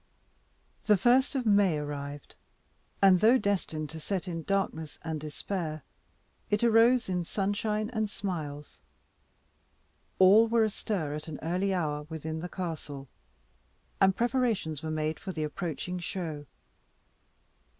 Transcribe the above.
The first of May arrived; and though destined to set in darkness and despair, it arose in sunshine and smiles. All were astir at an early hour within the castle, and preparations were made for the approaching show.